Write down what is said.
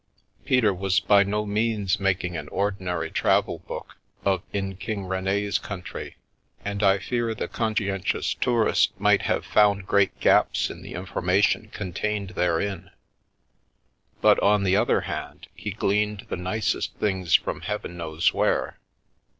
Peter was by no means making an ordinary travel book of " In King Rent's Country," and I fear the con scientious tourist might have found great gaps in the information contained therein. But, on the other hand, he gleaned the nicest things from heaven knows where.